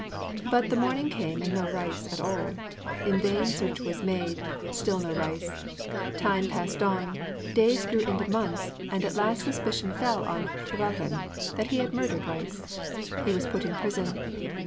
But the morning came, and no Rhys. In vain search was made, still no Rhys. Time passed on; days grew into months; and at last suspicion fell on Llewellyn, that he had murdered Rhys. He was put in prison.